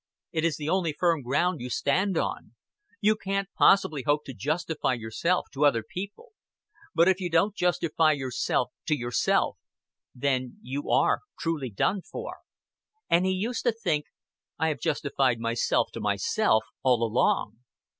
It is the only firm ground you stand on. You can't possibly hope to justify yourself to other people; but if you don't justify yourself to yourself, then you are truly done for." And he used to think: "I have justified myself to myself all along.